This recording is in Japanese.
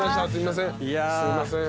すいません。